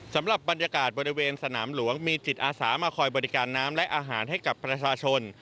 สำหรับบรรยากาศบริเวณสนามหลวงมีจิตอาสามาคอยบริการน้ำและอาหารให้กับประชาชน